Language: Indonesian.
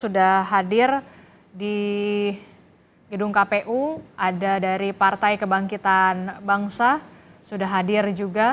sudah hadir di gedung kpu ada dari partai kebangkitan bangsa sudah hadir juga